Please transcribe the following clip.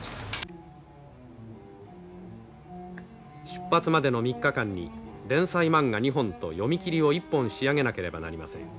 出発までの３日間に連載マンガ２本と読み切りを１本仕上げなければなりません。